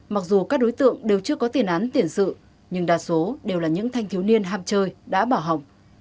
mặc dù các đối tượng đều chưa có tiền án tiền sự nhưng đa số đều là những thanh thiếu niên ham chơi đã bảo hồng